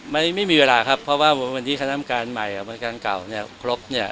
ไม่มีเวลาครับเพราะว่าวันที่คณะกรรมการใหม่กับบริการเก่าเนี่ยครบเนี่ย